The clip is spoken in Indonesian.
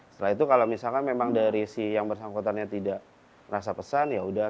setelah itu kalau misalkan memang dari si yang bersangkutannya tidak merasa pesan ya udah